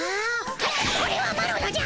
これはマロのじゃ！